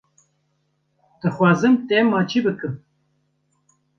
Dixwazim te maçî bikim.